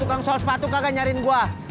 tukang soal sepatu kagak nyarin gua